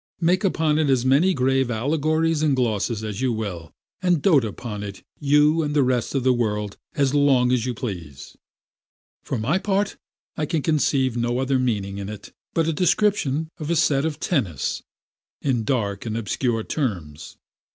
Make upon it as many grave allegories and glosses as you will, and dote upon it you and the rest of the world as long as you please; for my part, I can conceive no other meaning in it but a description of a set at tennis in dark and obscure terms.